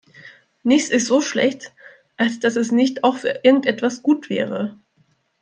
Nichts ist so schlecht, als dass es nicht auch für irgendetwas gut wäre.